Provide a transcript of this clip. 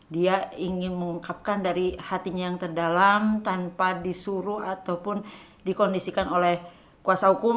dia ingin mengungkapkan dari hatinya yang terdalam tanpa disuruh ataupun dikondisikan oleh kuasa hukum